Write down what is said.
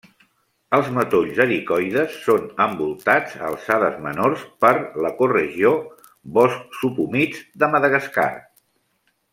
Els matolls ericoides són envoltats a alçades menors per l'ecoregió Boscs subhumits de Madagascar.